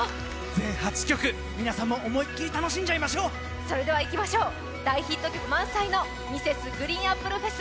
全８曲皆さんも思いっきり楽しんじゃいましょうそれではいきましょう大ヒット曲満載のＭｒｓ．ＧＲＥＥＮＡＰＰＬＥフェス